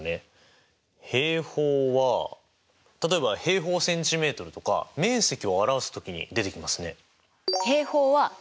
平方は例えば平方センチメートルとか面積を表す時に出てきますね。